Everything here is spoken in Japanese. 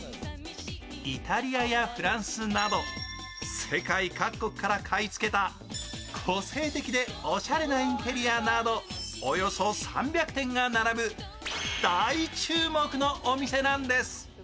イタリアやフランスなど世界各国から買い付けた個性的でおしゃれなインテリアなどおよそ３００点が並ぶ大注目のお店なんです。